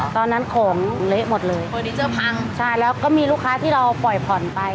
ตอนนั้นของเละหมดเลยแล้วก็มีลูกค้าที่เราปล่อยผ่อนไป